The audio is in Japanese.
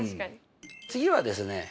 次はですね